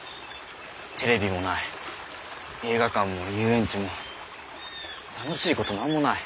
テレビもない映画館も遊園地も楽しいこと何もない。